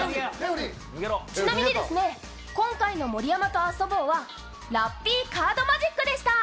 ちなみにですね、今回の「盛山と遊ぼう」はラッピーカードマジックでした。